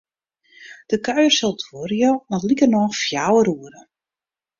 De kuier sil duorje oant likernôch fjouwer oere.